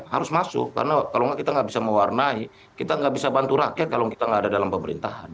harus masuk karena kalau kita nggak bisa mewarnai kita nggak bisa bantu rakyat kalau kita nggak ada dalam pemerintahan